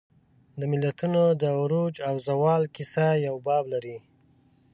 د ملتونو د عروج او زوال کیسه یو باب لري.